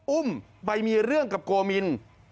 อุ้มไปมีเรื่องกับโกมิน